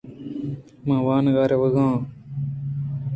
من وانگ ءَ رو آں۔